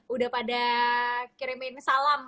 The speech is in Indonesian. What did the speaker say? udah pada kirimin salam